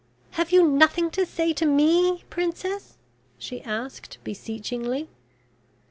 "Have you nothing to say to me, Princess?" she asked beseechingly.